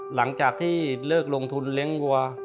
หลังจากที่เลิกลงทุนเลี้ยงวัว